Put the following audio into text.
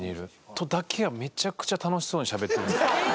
とだけはめちゃくちゃ楽しそうにしゃべってるんですよ。